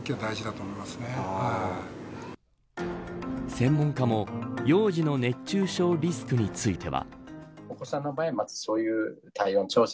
専門家も幼児の熱中症リスクについては。